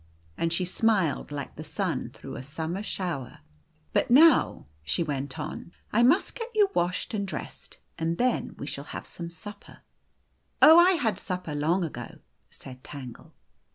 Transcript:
And she smiled like the sun through a summer shower, " But now," she went on, " I must get you washed and dressed, and then we shall have some supper." " Oh ! I had supper long ago," said Tangle.